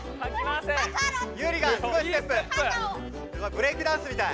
ブレイクダンスみたい。